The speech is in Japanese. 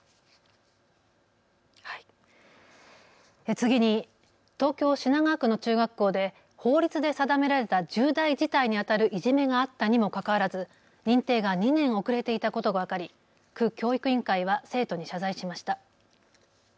次に東京品川区の中学校で法律で定められた重大事態にあたるいじめがあったにもかかわらず認定が２年遅れていたことが分かり区教育委員会は生徒に謝罪しました。